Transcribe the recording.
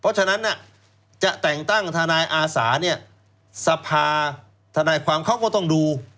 เพราะฉะนั้นจะแต่งตั้งทนายอาสาเนี่ยสภาธนายความเขาก็ต้องดู